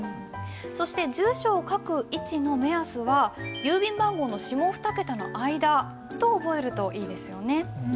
そして住所を書く位置の目安は郵便番号の下２桁の間と覚えるといいですよね。